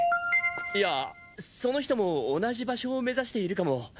いやその人も同じ場所を目指しているかも。